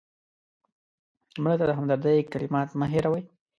مړه ته د همدردۍ کلمات مه هېروه